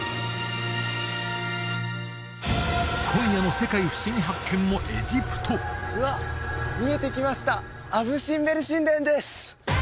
今夜の「世界ふしぎ発見！」もエジプトうわっ見えてきましたアブ・シンベル神殿です